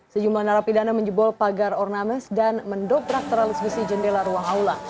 sejumlah narapidana menjebol pagar ornames dan mendobrak teralis besi jendela ruang aula